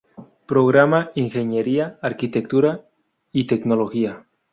Programa Ingeniería, Arquitectura y Tecnología.